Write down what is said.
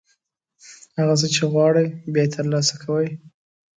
هغه څه چې غواړئ، بیا یې ترلاسه کوئ.